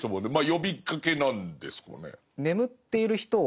呼びかけなんですかね。